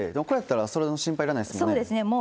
これやったらそれの心配いらないですね。